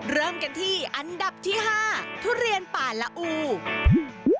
เริ่มกันที่อันดับที่๕ทุเรียนป่าละอู